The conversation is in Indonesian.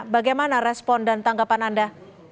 bagaimana respon dan tanggapan anda